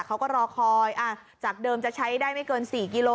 เขาก็รอคอยจากเดิมจะใช้ได้ไม่เกิน๔กิโล